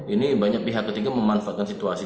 ini banyak pihak ketiga memanfaatkan situasi